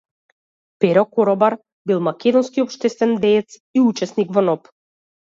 Перо Коробар бил македонски општествен деец и учесник во НОБ.